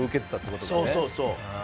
そうそうそう。